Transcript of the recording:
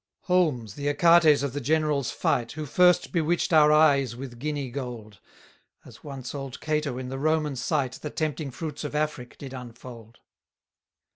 173 Holmes, the Achates of the general's fight; Who first bewitch'd our eyes with Guinea gold; As once old Cato in the Roman sight The tempting fruits of Afric did unfold.